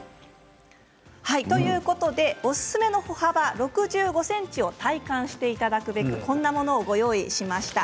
ということでおすすめの歩幅６５ｃｍを体感していただくべくこんなものを用意しました。